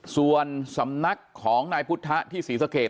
ส่วนสำนักของนายพุทธที่ศรีสะเกด